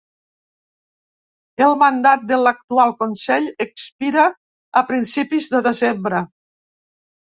El mandat de l’actual consell expira a principis de desembre.